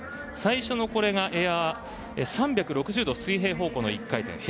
最初のエアは３６０度水平方向の１回転。